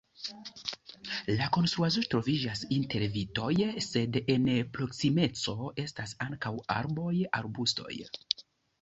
La konstruaĵo troviĝas inter vitoj, sed en la proksimeco estas ankaŭ arboj, arbustoj.